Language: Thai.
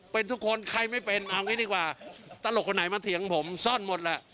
เป็นทุกคนใครไม่เป็นเอางี้ดีกว่าตลกคนไหนมาเถียงผมซ่อนหมดแหละ